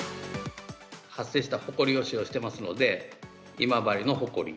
発生したほこりを使用していますので、今治のホコリ。